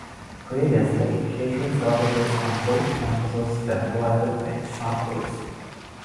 Previously, catering services on both campuses were provided by Chartwell's.